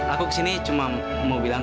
aku kesini cuma mau bilang